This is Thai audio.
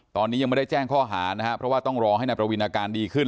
ตอนนี้ยังไม่ได้แจ้งข้อหานะครับเพราะว่าต้องรอให้นายประวินอาการดีขึ้น